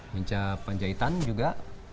minca penjahitan juga